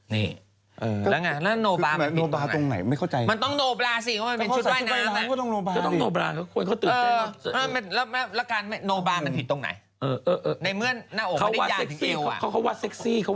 นี่แล้วไงแล้วโนบาไหมโนบาตรงไหนไม่เข้าใจ